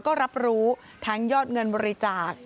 ก็รับรู้ทั้งยอดเงินบริจาค